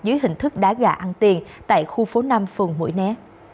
dưới hình thức đá gà ăn tiền tại khu phố năm phường mũi né